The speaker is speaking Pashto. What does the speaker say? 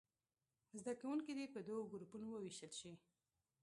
زده کوونکي دې په دوو ګروپونو ووېشل شي.